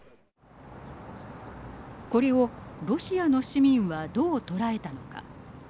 これをロシアの市民はどう捉えたのか。